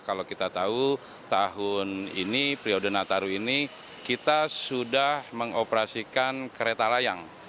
kalau kita tahu tahun ini periode nataru ini kita sudah mengoperasikan kereta layang